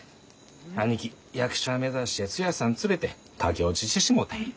兄貴役者目指してツヤさん連れて駆け落ちしてしもうたんや。